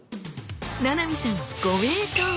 七海さんご名答！